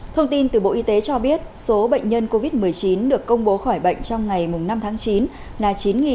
thông tin từ bộ y tế cho biết số bệnh nhân covid một mươi chín được công bố khỏi bệnh trong ngày năm tháng chín là chín hai trăm một mươi một